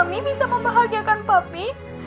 jika mami bisa membahagiakan papi